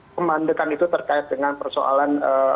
kemandekan itu terkait dengan persoalan